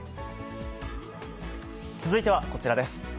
続いてはこちらです。